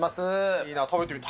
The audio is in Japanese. いいな、食べてみたい。